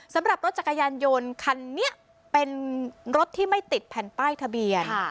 สำหรับรถจักรยานยนต์คันนี้เป็นรถที่ไม่ติดแผ่นป้ายทะเบียน